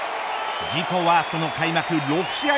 自己ワーストの開幕６試合